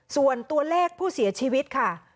ส่วนตัวเลขผู้เสียชีวิตค่ะ